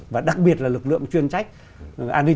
và đặc biệt là lực lượng chuyên trách an ninh